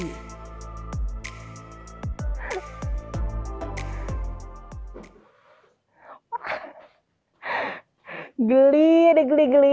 ketika ulatnya sudah menetas ulatnya akan berubah menjadi berubah menjadi berubah menjadi berubah